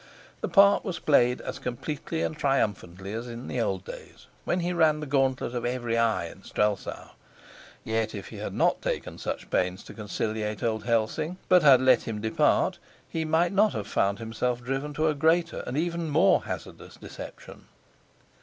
The part was played as completely and triumphantly as in the old days when he ran the gauntlet of every eye in Strelsau. Yet if he had not taken such pains to conciliate old Helsing, but had let him depart, he might not have found himself driven to a greater and even more hazardous deception.